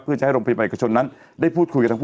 เพื่อจะให้โรงพยาบาลเอกชนนั้นได้พูดคุยกับทั้งคู่